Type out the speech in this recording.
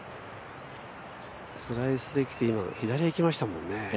スライスで来て、今、左に行きましたもんね。